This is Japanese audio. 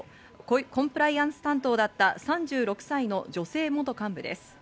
コンプライアンス担当だった３６歳の女性元幹部です。